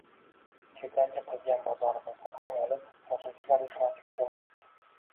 kechagi qilgan bozorimizni ham olib, Yozuvchilar uyushmasiga jo’nadik.